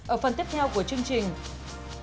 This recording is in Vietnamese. ở phần tiếp theo của chương trình